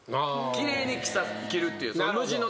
奇麗に着るっていう。